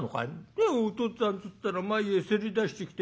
「だよおとっつぁんつったら前へせり出してきて」。